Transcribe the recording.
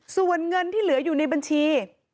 ส่วนเงินที่เหลืออยู่ในบัญชี